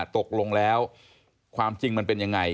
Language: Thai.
ตกลงแล้วความจริงมันเป็นยังไง